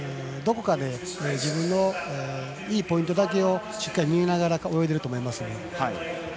自分のいいポイントだけをしっかり見ながら泳いでいると思います。